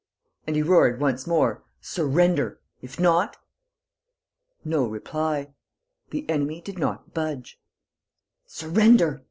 And he roared, once more, "Surrender ... if not...!" No reply. The enemy did not budge. "Surrender!...